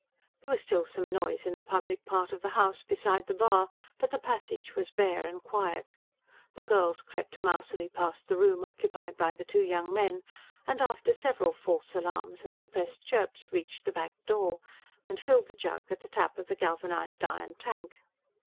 There was still some noise in the public part of the house, beside the bar; but the passage was bare and quiet. The girls crept mousily past the room occupied by the two young men, and after several false alarms and suppressed chirps reached the back door, and filled the jug at the tap of the galvanised iron tank.